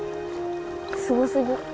すごすぎ。